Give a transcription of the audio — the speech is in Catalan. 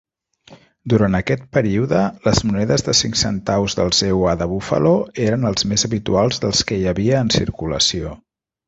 Durant aquest període, les monedes de cinc centaus dels EUA de Buffalo eren els més habituals dels que hi havia en circulació.